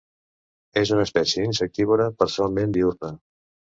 És una espècie insectívora parcialment diürna.